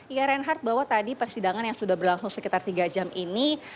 ya reinhardt bahwa tadi persidangan yang sudah berlangsung sekitar tiga jam ini